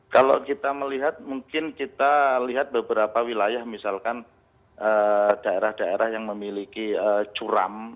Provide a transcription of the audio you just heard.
kalau kita melihat mungkin kita lihat beberapa wilayah misalkan daerah daerah yang memiliki curam